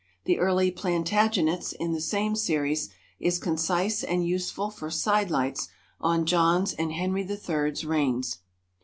"The Early Plantagenets" in the same series, is concise and useful for "side lights" on John's and Henry III's reigns.